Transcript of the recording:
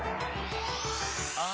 あ！